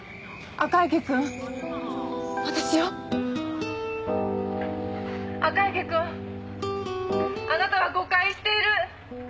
「赤池くんあなたは誤解している！」